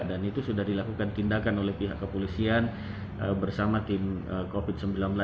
dan itu sudah dilakukan tindakan oleh pihak kepolisian bersama tim covid sembilan belas